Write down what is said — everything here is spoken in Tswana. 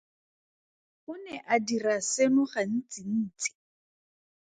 O ne a dira seno gantsintsi.